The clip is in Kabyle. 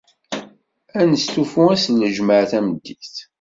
Ad nestufu ass n ljemɛa tameddit?